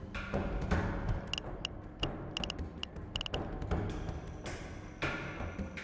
hanya satu titik yang diperlukan adalah pembukaan kamera jebak yang keren dan kembang